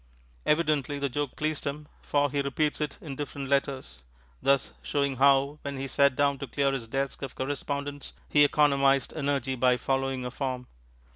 Evidently, the joke pleased him, for he repeats it in different letters; thus showing how, when he sat down to clear his desk of correspondence, he economized energy by following a form.